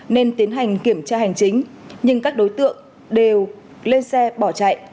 nên tiến hành kiểm tra hành chính nhưng các đối tượng đều lên xe bỏ chạy